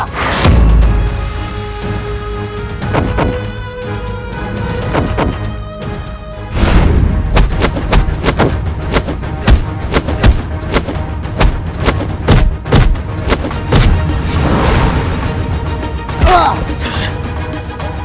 untuk mengingkari semua perjanjian kita